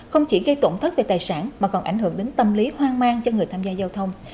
không chỉ gây tổn thất về tài sản mà còn ảnh hưởng đến tâm lý hoang mang cho người tham gia giao thông